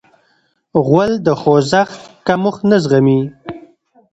غول د خوځښت کمښت نه زغمي.